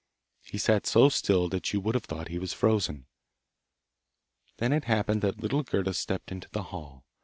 He sat so still that you would have thought he was frozen. Then it happened that little Gerda stepped into the hall.